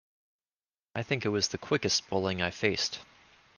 I think it was the quickest bowling I faced.